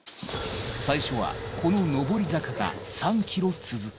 最初はこの上り坂が３ｋｍ続く。